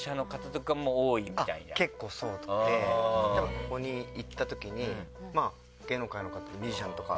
結構そうでここに行ったときにまぁ芸能界の方ミュージシャンとか。